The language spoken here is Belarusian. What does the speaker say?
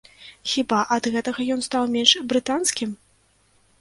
Хіба ад гэтага ён стаў менш брытанскім?